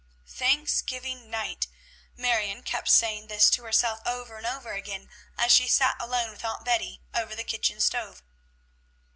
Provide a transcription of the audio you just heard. "Thanksgiving night!" Marion kept saying this to herself over and over again, as she sat alone with Aunt Betty over the kitchen stove.